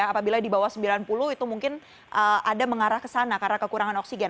apabila di bawah sembilan puluh itu mungkin ada mengarah ke sana karena kekurangan oksigen